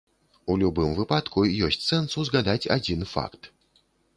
У любым выпадку, ёсць сэнс узгадаць адзін факт.